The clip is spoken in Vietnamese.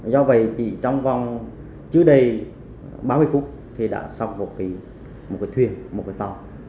do vậy chỉ trong vòng chưa đầy ba mươi phút thì đã xong một cái thuyền một cái tàu